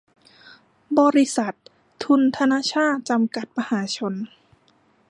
บริษัท ทุนธนชาต จำกัด มหาชน